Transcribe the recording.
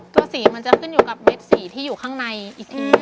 ตัวสีมันจะขึ้นอยู่กับเม็ดสีที่อยู่ข้างในอีกที่